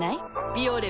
「ビオレ」